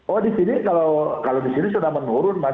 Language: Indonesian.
oh di sini kalau di sini sudah menurun mas